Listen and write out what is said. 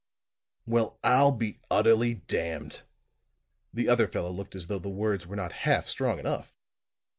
"Well, I'll be utterly damned!" The other fellow looked as though the words were not half strong enough.